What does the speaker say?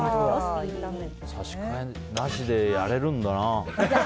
差し替えなしでやれるんだな。